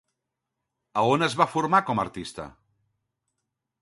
A on es va formar com a artista?